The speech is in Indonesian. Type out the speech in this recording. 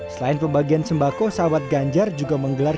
selain pembagian sembako sahabat ganjar juga menggelar